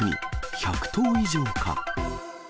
１００頭以上か？